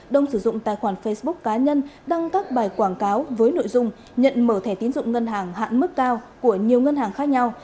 đông sử dụng tài khoản facebook cá nhân đăng các bài quảng cáo với nội dung nhận mở thẻ tiến dụng ngân hàng hạn mức cao của nhiều ngân hàng khác nhau